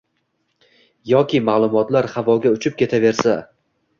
yoki maʼlumotlar havoga uchib ketaversa